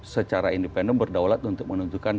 secara independen berdaulat untuk menentukan